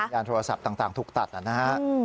สัญญาณโทรศัพท์ต่างทุกตัดนะฮะ